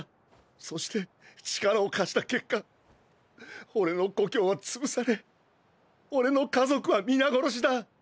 そして力を貸した結果俺の故郷は潰され俺の家族は皆殺しだ！！